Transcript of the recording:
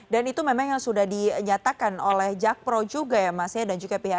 dan itu memang yang sudah dinyatakan oleh jakpro juga ya